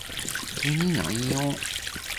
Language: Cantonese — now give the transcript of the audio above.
你為政治目的曲解成另一個意思